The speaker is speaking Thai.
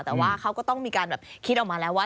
แต่ว่าเขาก็ต้องมีการแบบคิดออกมาแล้วว่า